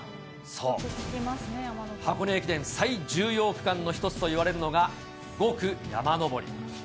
箱根駅伝最重要区間の一つといわれるのが、５区山登り。